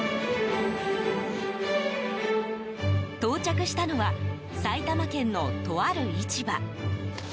到着したのは埼玉県のとある市場。